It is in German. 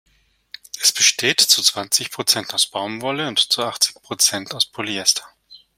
Es besteht zu zwanzig Prozent aus Baumwolle und zu achtzig Prozent aus Polyester.